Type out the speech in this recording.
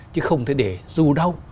chứ không thể để dù đau